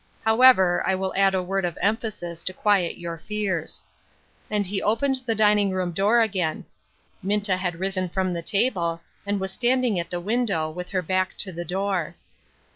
However, I will add a word of emphasis, to quiet your fears." And he opened the dining room door again. Minta had risen from the table, and was standing at the window, with her back to the door.